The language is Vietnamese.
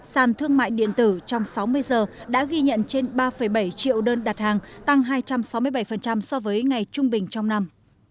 sàn thương mại điện tử trong sáu mươi giờ đã ghi nhận trên ba bảy triệu đơn đặt hàng tăng hai trăm sáu mươi bảy so với ngày trung bình trong năm